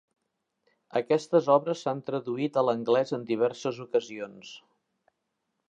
Aquestes obres s'han traduït a l'anglès en diverses ocasions.